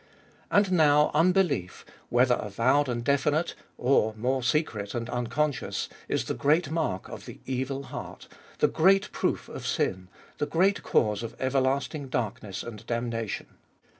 And now unbelief, whether avowed and definite, or more secret and unconscious, is the great mark of the evil heart, the great proof of sin, the great cause of everlasting darkness and damnation.